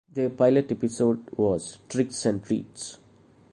Their pilot episode was "Tricks and Treats".